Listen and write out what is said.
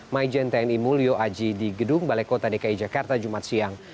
maijen tni mulyo aji di gedung balai kota dki jakarta jumat siang